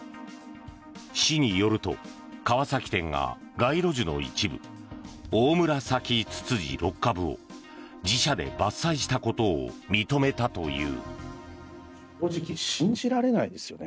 市によると川崎店が街路樹の一部オオムラサキツツジ６株を自社で伐採したことを認めたという。